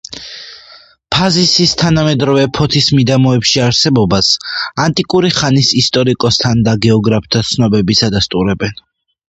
ფაზისის თანამედროვე ფოთის მიდამოებში არსებობას ანტიკური ხანის ისტორიკოსთან და გეოგრაფთა ცნობებიც ადასტურებენ.